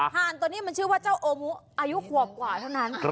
หานตัวนี้มันชื่อว่าเจ้าโอมุอายุขวบกว่าเท่านั้น